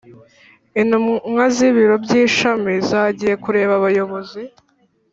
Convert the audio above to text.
Intumwa z’ibiro by’ishami zagiye kureba abayobozi